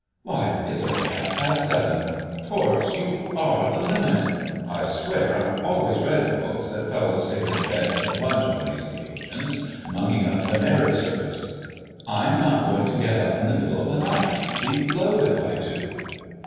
Why, it's only half past seven! Torps, you are the limit! I swear I've always read in books that fellows stayed in bed till lunch on these occasions, mugging up the marriage service. I'm not going to get up in the middle of the night—be blowed if I do!"